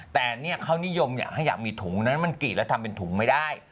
แต่เนี่ยเขานิยมอยากให้อยากมีถุงนั้นมันกรีดแล้วทำเป็นถุงไม่ได้